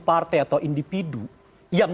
partai atau individu yang